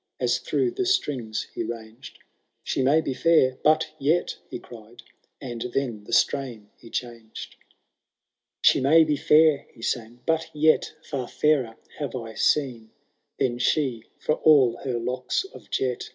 As through the strings he ranged^— She may be fair ; but yet," — ^he cried. And then the strain he changed, tons* 1. She may be &ir," he sang, *' but yet Far fairer have I seen Than she, for all her locks of jet.